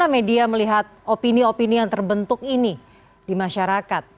bagaimana media melihat opini opini yang terbentuk ini di masyarakat